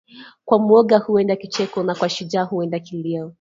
Kwa mwoga huenda kicheko na kwa shujaa huenda kilio